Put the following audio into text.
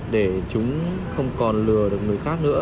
để chúng không còn lừa được người khác nữa